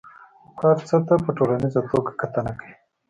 هر څه ته په ټوليزه توګه کتنه کوي.